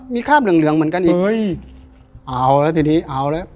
มีคราบเหลืองเหลืองเหมือนกันอีกเฮ้ยเอาแล้วทีนี้เอาแล้ว